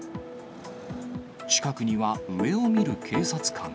近くには、上を見る警察官。